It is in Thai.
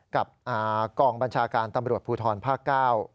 กับกองบัญชาการตำรวจภูทรภาคเก้า